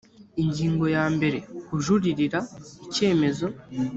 ingingo ya mbere kujuririra icyemezo